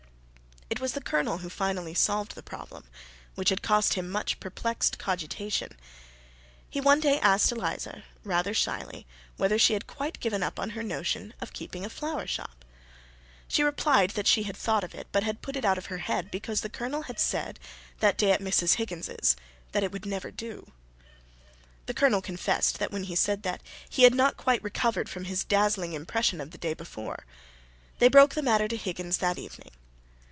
It was the Colonel who finally solved the problem, which had cost him much perplexed cogitation. He one day asked Eliza, rather shyly, whether she had quite given up her notion of keeping a flower shop. She replied that she had thought of it, but had put it out of her head, because the Colonel had said, that day at Mrs. Higgins's, that it would never do. The Colonel confessed that when he said that, he had not quite recovered from the dazzling impression of the day before. They broke the matter to Higgins that evening.